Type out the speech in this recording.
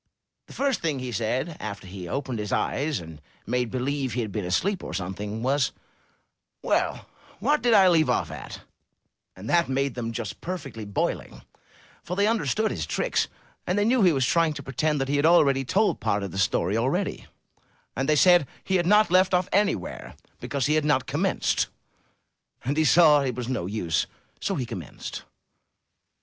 The first thing he said, after he opened his eyes, and made believe he had been asleep, or something, was, 'Well, what did I leave off at?'* and that made them just perfectly boiling, for they under stood his tricks, and they knew he was trying to pre *From Christmas Every Day and Other Stories. Copyright, by Harper & Brothers. UP ONE PAIR OF STAIRS tend that he had told part of the story already; and they said he had not left off anywhere because he had not commenced, and he saw it was no use. So he commenced.